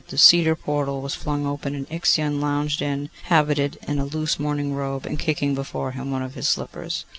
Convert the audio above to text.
The cedar portal was flung open, and Ixion lounged in, habited in a loose morning robe, and kicking before him one of his slippers.